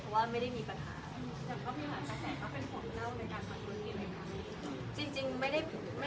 ตรงนั้นก็ไม่ใช่ในฐานะนักแสดงเป็นเหมือนการที่เราได้ลองเข้าไปทำในธุรกิจหมาย